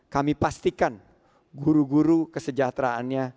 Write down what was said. kami pastikan guru guru kesejahteraannya